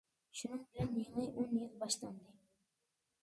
شۇنىڭ بىلەن يېڭى ئون يىل باشلاندى.